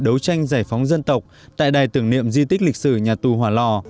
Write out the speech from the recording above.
tổ chức đối tranh giải phóng dân tộc tại đài tưởng niệm di tích lịch sử nhà tù hòa lò